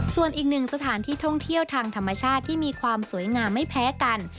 ส่วนอีกหนึ่งสถานที่ท่องเที่ยวทางธรรมชาติที่มีความสวยงามไม่แพ้กัน